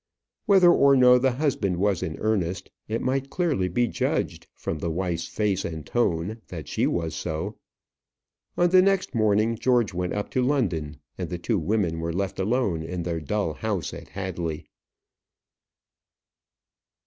Whether or no the husband was in earnest, it might clearly be judged, from the wife's face and tone, that she was so. On the next morning, George went up to London, and the two women were left alone in their dull house at Hadley.